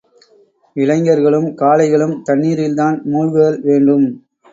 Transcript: இளைஞர்களும் காளைகளும் தண்ணீரில்தான் மூழ்குதல் வேண்டும்.